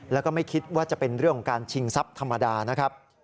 แล้วก็ไม่คิดว่าจะเป็นเรื่องของการชิงทรัพย์ธรรมดานะครับ